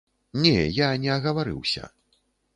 Не, я не агаварыўся.